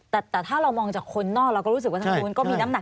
แต่ถ้าเรามองจากคนนอกเราก็รู้สึกว่าทางนู้นก็มีน้ำหนัก